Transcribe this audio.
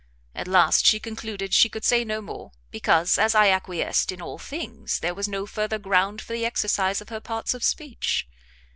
At last she concluded, she could say no more, because, as I acquiesced in all things, there was no further ground for the exercise of her parts of speech.